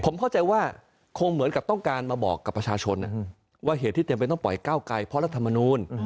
ผมเข้าใจว่าคงเหมือนกับต้องการมาบอกกับประชาชนว่าเหตุที่จำเป็นต้องปล่อยก้าวไกลเพราะรัฐมนูล